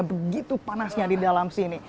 begitu panasnya di dalam sini